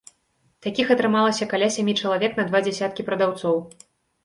Такіх атрымалася каля сямі чалавек на два дзесяткі прадаўцоў.